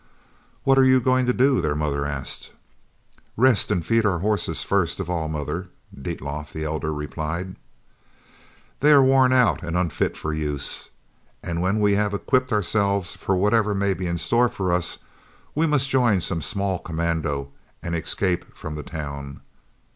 "What are you going to do?" their mother asked. "Rest and feed our horses first of all, mother," Dietlof, the elder, replied. "They are worn out and unfit for use. And when we have equipped ourselves for whatever may be in store for us, we must join some small commando and escape from the town.